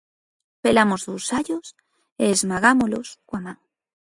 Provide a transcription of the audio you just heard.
Pelamos dous allos e esmagámolos coa man.